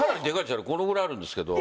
あれこのぐらいあるんですけど。